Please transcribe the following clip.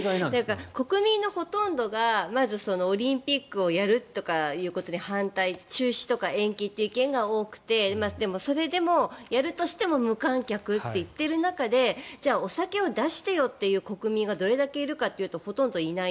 国民のほとんどが、まずオリンピックをやるということに反対、中止とか延期という意見が多くてそれでもやるとしても無観客と言っている中でじゃあ、お酒を出してよという国民がどれだけいるかというとほとんどいない。